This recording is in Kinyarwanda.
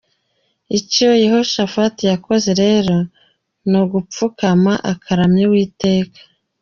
" Icyo Yehoshafati yakoze rero ni ugupfukama akaramya Uwiteka.